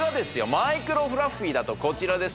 マイクロフラッフィーだとこちらです